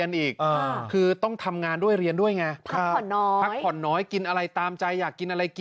นี่คือมองจริงนะหน้าตาเธอจริงสาหรับสวยมากแล้ว